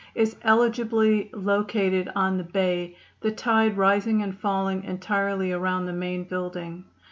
is eligibly located on the bay, the tide rising and falling entirely around the main building.